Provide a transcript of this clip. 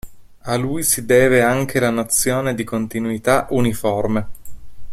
A lui si deve anche la nozione di continuità uniforme.